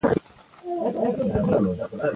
زغال د افغانستان په هره برخه کې موندل کېږي.